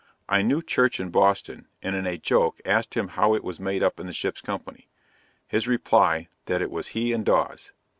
I knew Church in Boston, and in a joke asked him how it was made up in the ship's company; his reply, that it was he and Dawes.